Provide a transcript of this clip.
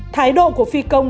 thái độ của phi công